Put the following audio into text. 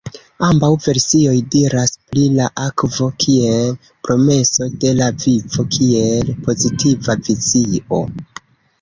Ambaŭ versioj diras pri la akvo kiel „promeso de la vivo“ kiel pozitiva vizio.